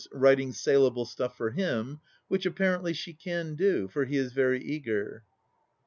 writing saleable stuff for him, which apparently she can do, for he is very eager.